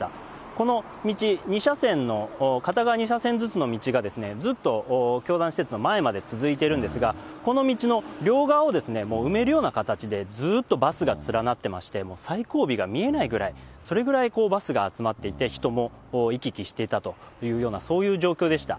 この道、２車線の、片側２車線ずつの道がずっと教団施設の前まで続いてるんですが、この道の両側を埋めるような形で、ずっとバスが連なってまして、もう最後尾が見えないぐらい、それぐらいバスが集まっていて、人も行き来していたというような、そういう状況でした。